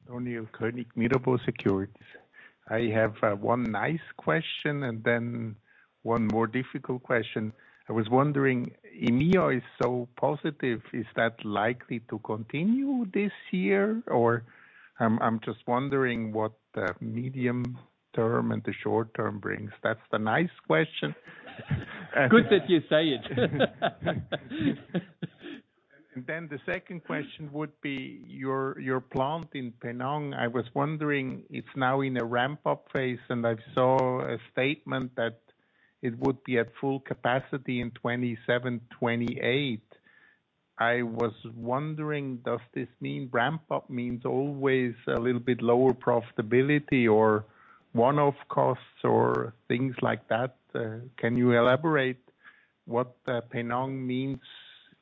Daniel Koenig, Mirabaud Securities. I have one nice question and then one more difficult question. I was wondering, EMEA is so positive, is that likely to continue this year? Or, I'm just wondering what the medium term and the short term brings. That's the nice question. Good that you say it. And then the second question would be, your plant in Penang. I was wondering, it's now in a ramp-up phase, and I saw a statement that it would be at full capacity in 2027, 2028. I was wondering, does this mean ramp up means always a little bit lower profitability or one-off costs or things like that? Can you elaborate what Penang means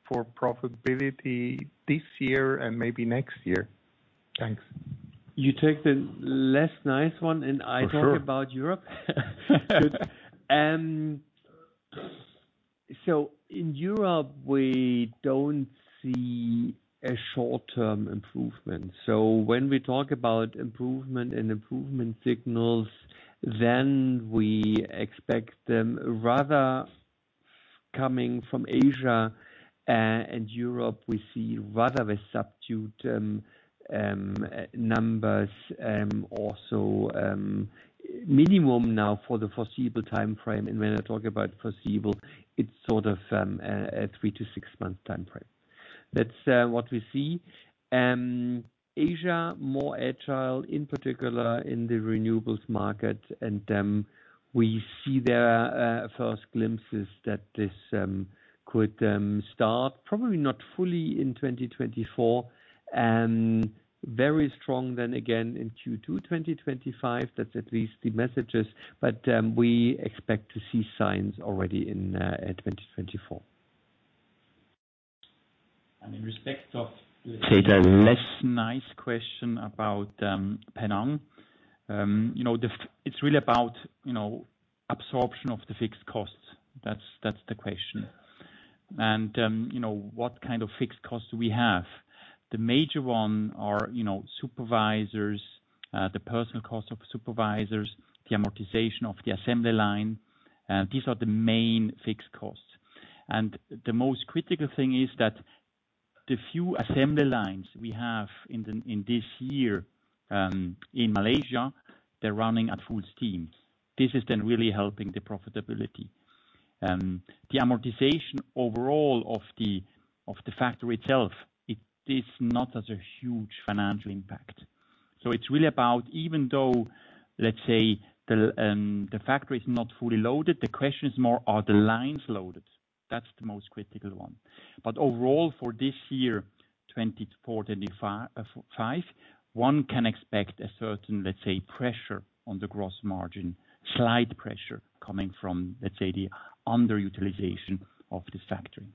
for profitability this year and maybe next year? Thanks. You take the less nice one, and I- For sure. Talk about Europe? Good. So in Europe, we don't see a short-term improvement. So when we talk about improvement and improvement signals, then we expect them rather coming from Asia, and Europe, we see rather a stagnant numbers, also minimum now for the foreseeable timeframe. And when I talk about foreseeable, it's sort of a 3-6-month time frame. That's what we see. Asia, more agile, in particular in the renewables market, and we see there first glimpses that this could start probably not fully in 2024, and very strong then again in Q2 2025. That's at least the messages. But we expect to see signs already in 2024. In respect of the less nice question about Penang, you know, it's really about, you know, absorption of the fixed costs. That's the question. And, you know, what kind of fixed costs do we have? The major one are, you know, supervisors, the personal cost of supervisors, the amortization of the assembly line, these are the main fixed costs. And the most critical thing is that the few assembly lines we have in the, in this year, in Malaysia, they're running at full steam. This is then really helping the profitability. The amortization overall of the, of the factory itself, it is not as a huge financial impact. So it's really about, even though, let's say, the, the factory is not fully loaded, the question is more, are the lines loaded? That's the most critical one. Overall, for this year, 2024-2025, one can expect a certain, let's say, pressure on the gross margin, slight pressure coming from, let's say, the underutilization of this factory.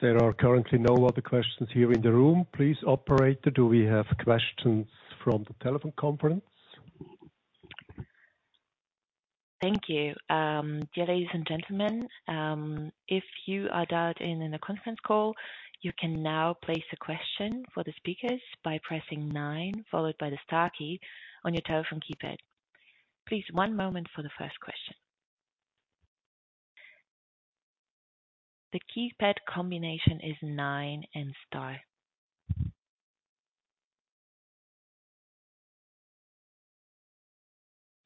There are currently no other questions here in the room. Please, operator, do we have questions from the telephone conference? Thank you. Dear ladies and gentlemen, if you are dialed in, in a conference call, you can now place a question for the speakers by pressing nine, followed by the star key on your telephone keypad. Please, one moment for the first question. The keypad combination is nine and star.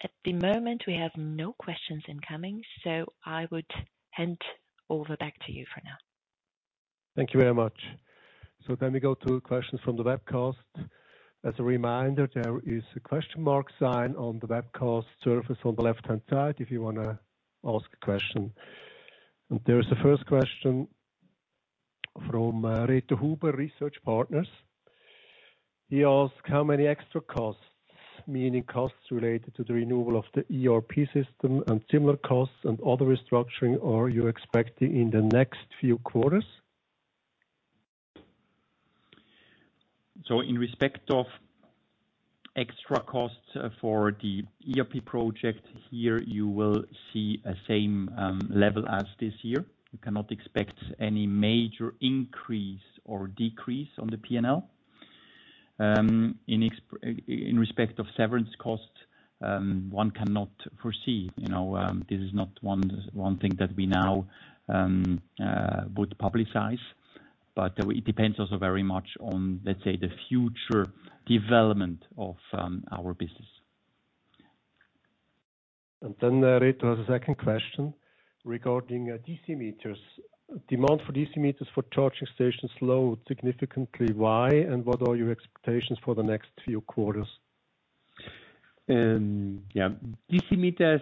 At the moment, we have no questions incoming, so I would hand over back to you for now. Thank you very much. So let me go to questions from the webcast. As a reminder, there is a question mark sign on the webcast surface on the left-hand side if you wanna ask a question. And there is the first question from, Reto Huber, Research Partners. He asked: How many extra costs, meaning costs related to the renewal of the ERP system and similar costs and other restructuring, are you expecting in the next few quarters? So in respect of extra costs for the ERP project, here, you will see a same level as this year. You cannot expect any major increase or decrease on the P&L. In respect of severance costs, one cannot foresee, you know, this is not one thing that we now would publicize, but it depends also very much on, let's say, the future development of our business. Then, Reto, the second question regarding DC meters. Demand for DC meters for charging stations load significantly. Why, and what are your expectations for the next few quarters? Yeah. DC meters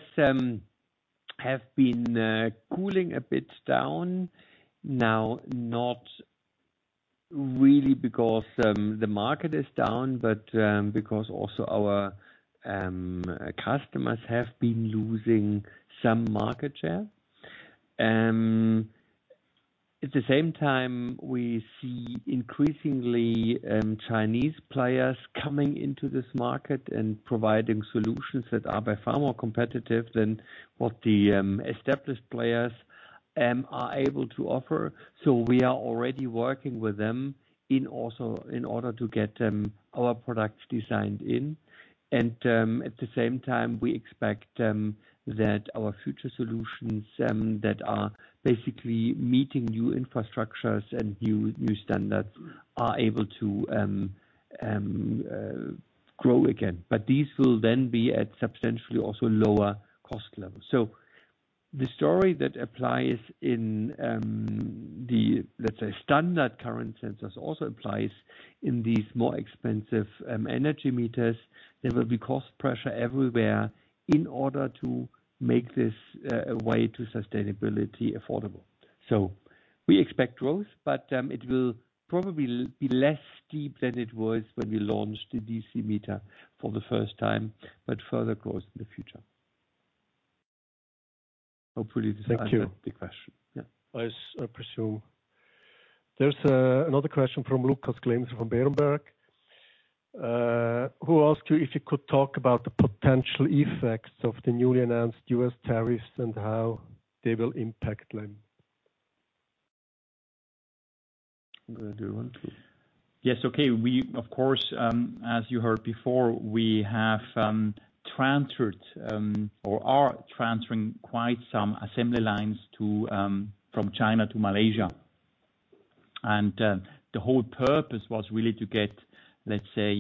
have been cooling a bit down now, not really because the market is down, but because also our customers have been losing some market share. At the same time, we see increasingly Chinese players coming into this market and providing solutions that are by far more competitive than what the established players are able to offer. So we are already working with them in also, in order to get our products designed in. And at the same time, we expect that our future solutions that are basically meeting new infrastructures and new standards are able to grow again. But these will then be at substantially also lower cost level. So the story that applies in the, let's say, standard current sensors also applies in these more expensive energy meters. There will be cost pressure everywhere in order to make this a way to sustainability affordable. So we expect growth, but it will probably be less steep than it was when we launched the DC Meter for the first time, but further course in the future. Hopefully this answers- Thank you. the question. Yeah. I presume. There's another question from Lucas Glemser from Berenberg, who asked you if you could talk about the potential effects of the newly announced U.S. tariffs and how they will impact LEM. Do you want to? Yes, okay. We, of course, as you heard before, we have transferred, or are transferring quite some assembly lines to, from China to Malaysia. The whole purpose was really to get, let's say,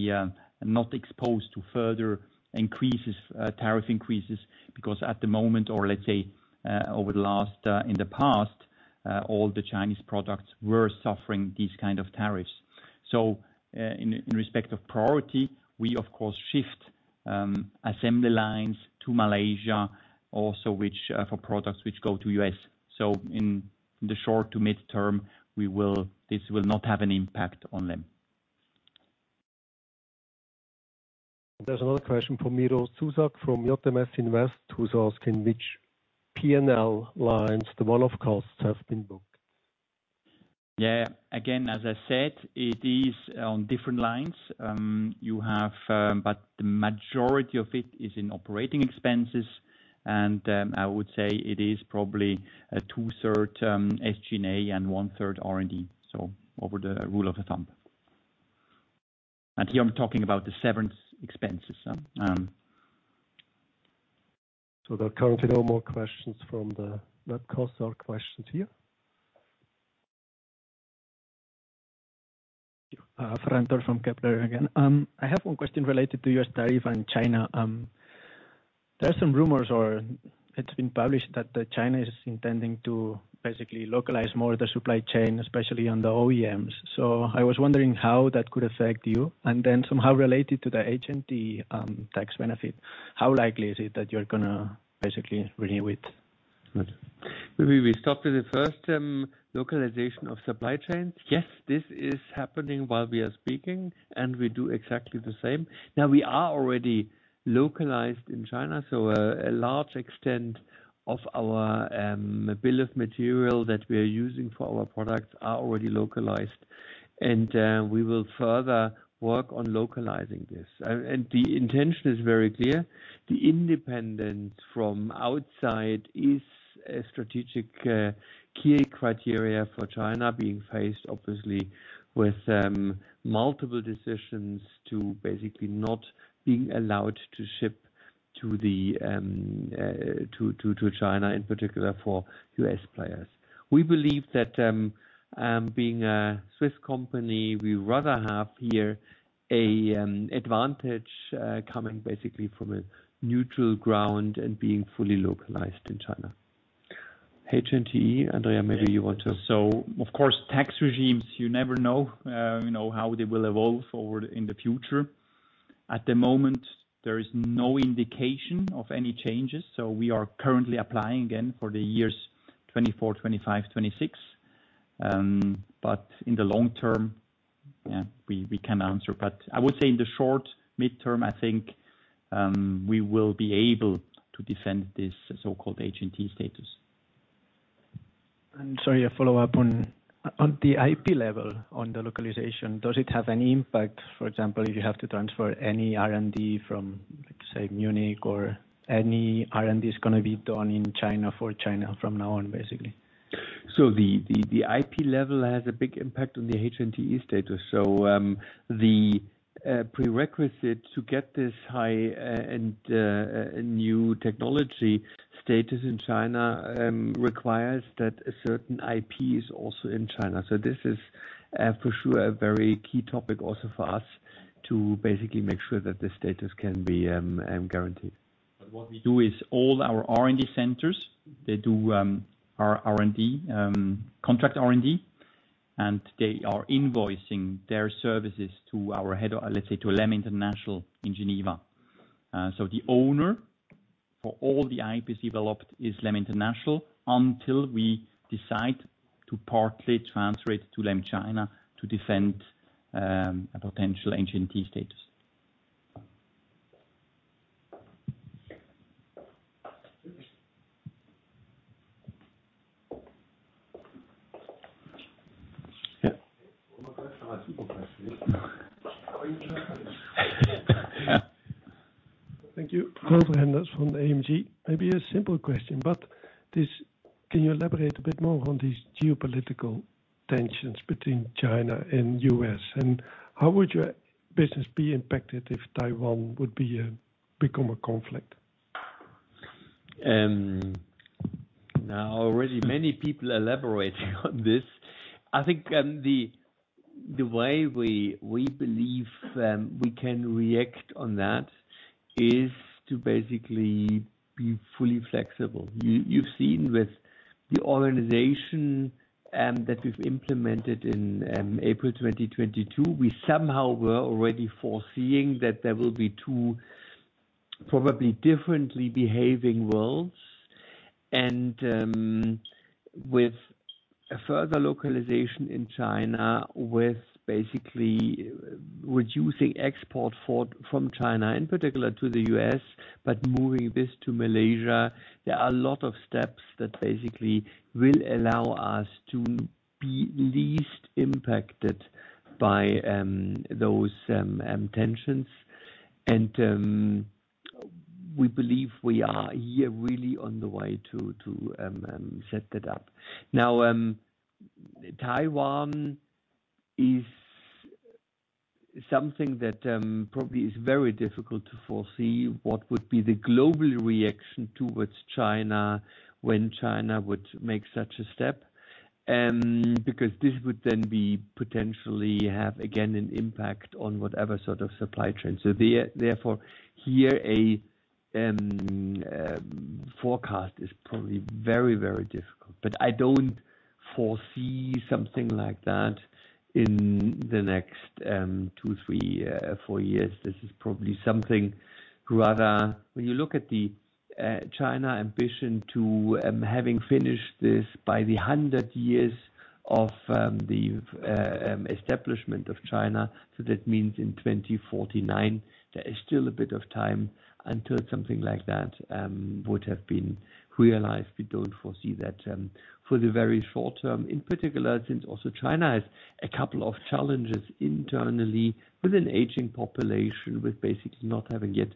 not exposed to further increases, tariff increases, because at the moment, or let's say, over the last, in the past, all the Chinese products were suffering these kind of tariffs. In respect of priority, we of course, shift assembly lines to Malaysia also, which, for products which go to U.S. So in the short to mid-term, we will. This will not have an impact on them. There's another question from Miro Zuzak, from JMS Invest, who's asking which P&L lines, the one-off costs have been booked? Yeah. Again, as I said, it is on different lines. You have, but the majority of it is in operating expenses, and I would say it is probably a two-thirds SG&A and one-third R&D, so as a rule of thumb. And here I'm talking about the severance expenses.... So there are currently no more questions from the web. Any questions here? Ferran Tort from Kepler Cheuvreux again. I have one question related to your tariff on China. There are some rumors, or it's been published, that China is intending to basically localize more of the supply chain, especially on the OEMs. So I was wondering how that could affect you, and then somehow related to the HNTE tax benefit, how likely is it that you're gonna basically renew it? Maybe we start with the first localization of supply chains. Yes, this is happening while we are speaking, and we do exactly the same. Now, we are already localized in China, so a large extent of our bill of material that we are using for our products are already localized, and we will further work on localizing this. And the intention is very clear. The independent from outside is a strategic key criteria for China, being faced obviously with multiple decisions to basically not being allowed to ship to the to China in particular for U.S. players. We believe that being a Swiss company, we rather have here a advantage coming basically from a neutral ground and being fully localized in China. HNTE, Andrea, maybe you want to- So of course, tax regimes, you never know, you know, how they will evolve forward in the future. At the moment, there is no indication of any changes, so we are currently applying again for the years 2024, 2025, 2026. But in the long term, yeah, we, we cannot answer. But I would say in the short midterm, I think, we will be able to defend this so-called HNTE status. And sorry, a follow-up on the IP level, on the localization, does it have any impact, for example, if you have to transfer any R&D from, let's say, Munich or any R&D is gonna be done in China for China from now on, basically? So the IP level has a big impact on the HNTE status. So the prerequisite to get this high and new technology status in China requires that a certain IP is also in China. So this is for sure a very key topic also for us to basically make sure that this status can be guaranteed. What we do is all our R&D centers, they do, our R&D, contract R&D, and they are invoicing their services to our head, let's say, to LEM International in Geneva. The owner for all the IPs developed is LEM International, until we decide to partly transfer it to LEM China to defend a potential HNTE status. Yeah. Thank you. Walter Anders from AMG. Maybe a simple question, but this, can you elaborate a bit more on these geopolitical tensions between China and U.S.? And how would your business be impacted if Taiwan would be, become a conflict? Now, already many people elaborate on this. I think, the way we believe we can react on that is to basically be fully flexible. You've seen with the organization that we've implemented in April 2022, we somehow were already foreseeing that there will be two probably differently behaving worlds. With a further localization in China, with basically reducing export from China, in particular to the U.S., but moving this to Malaysia, there are a lot of steps that basically will allow us to be least impacted by those tensions. We believe we are here really on the way to set that up. Now, Taiwan is something that, probably is very difficult to foresee what would be the global reaction towards China when China would make such a step, because this would then be potentially have, again, an impact on whatever sort of supply chain. So therefore, forecast is probably very, very difficult. But I don't foresee something like that in the next 2, 3, 4 years. This is probably something rather... When you look at the, China ambition to, having finished this by the hundred years of, the, establishment of China, so that means in 2049, there is still a bit of time until something like that, would have been realized. We don't foresee that for the very short term, in particular, since also China has a couple of challenges internally, with an aging population, with basically not having yet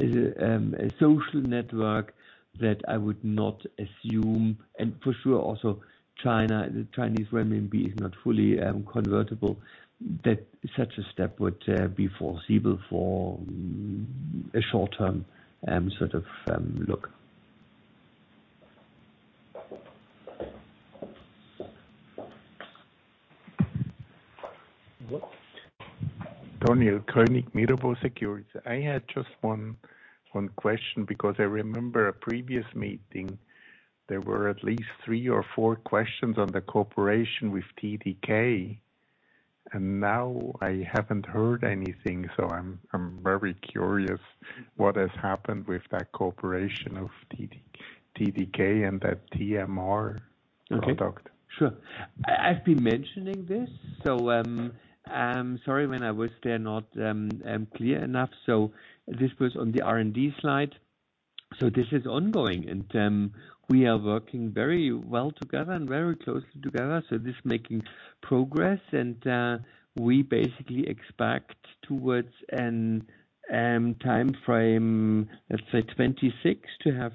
a social network that I would not assume. And for sure, also, China, the Chinese renminbi is not fully convertible, that such a step would be foreseeable for a short term, sort of look. ... Daniel Koenig, Mirabaud Securities. I had just one question, because I remember a previous meeting, there were at least three or four questions on the cooperation with TDK, and now I haven't heard anything. So I'm very curious what has happened with that cooperation of TDK and that TMR product? Okay. Sure. I've been mentioning this, so, I'm sorry when I was there, not clear enough. So this was on the R&D slide. So this is ongoing, and, we are working very well together and very closely together, so this is making progress. And, we basically expect towards an, time frame, let's say 2026, to have,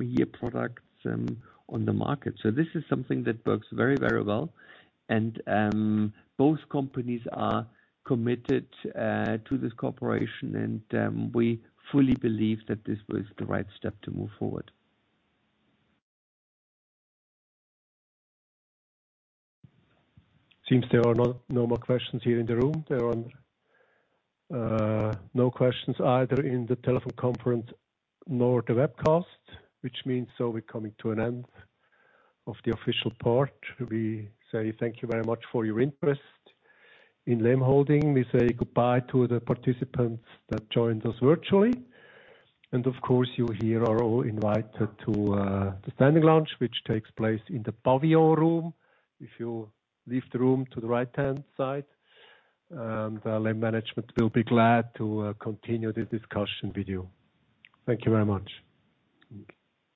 year products, on the market. So this is something that works very, very well. And, both companies are committed, to this cooperation, and, we fully believe that this was the right step to move forward. Seems there are no, no more questions here in the room. There are no questions either in the telephone conference nor the webcast, which means so we're coming to an end of the official part. We say thank you very much for your interest in LEM Holding. We say goodbye to the participants that joined us virtually. And of course, you here are all invited to the standing lounge, which takes place in the Pavilion room. If you leave the room to the right-hand side, the LEM management will be glad to continue the discussion with you. Thank you very much.